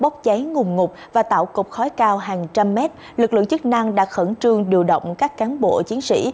tạo cục khói cao hàng trăm mét lực lượng chức năng đã khẩn trương điều động các cán bộ chiến sĩ